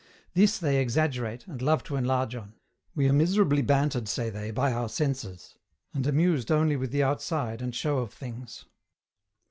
This they exaggerate, and love to enlarge on. We are miserably bantered, say they, by our senses, and amused only with the outside and show of things.